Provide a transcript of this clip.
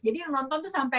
jadi yang nonton tuh sampai